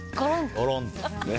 ごろんとね。